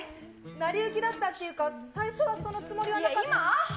なりゆきだったっていうか、最初はそのつもりじゃなかった。